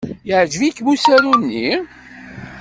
Yeɛjeb-ikem usaru-nni?